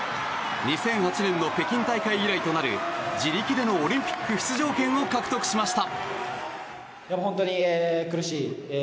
２００８年の北京大会以来となる自力でのオリンピック出場権を獲得しました。